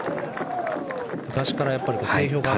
昔から定評がある。